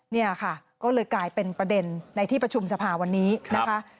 เนี่ยค่ะก็เลยกลายเป็นประเด็นในที่ประชุมสภาวันนี้นะคะ